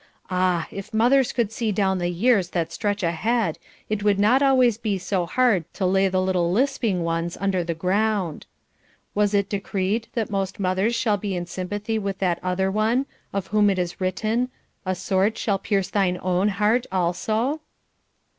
Ah! if mothers could see down the years that stretch ahead, it would not always be so hard to lay the little lisping ones under the ground. Was it decreed that most mothers shall be in sympathy with that other one, of whom it is written, "A sword shall pierce thine, own heart also"?